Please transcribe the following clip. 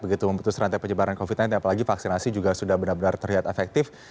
begitu memutus rantai penyebaran covid sembilan belas apalagi vaksinasi juga sudah benar benar terlihat efektif